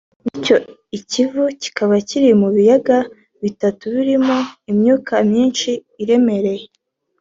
bityo i Kivu kikaba kiri mu biyaga bitatu birimo imyuka myinshi iremereye